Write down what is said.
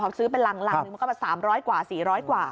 ซื้อเป็นรังหนึ่งมันก็แบบ๓๐๐กว่า๔๐๐กว่า